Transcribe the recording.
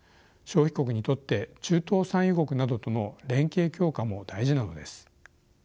消費国にとって中東産油国などとの連携強化も大事なのです。